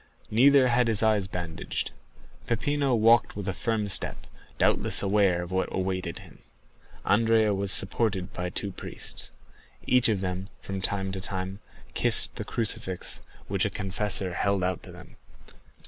Neither had his eyes bandaged. Peppino walked with a firm step, doubtless aware of what awaited him. Andrea was supported by two priests. Each of them, from time to time, kissed the crucifix a confessor held out to them.